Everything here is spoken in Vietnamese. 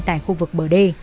tại khu vực bờ đê